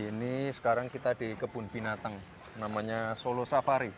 ini sekarang kita di kebun binatang namanya solo safari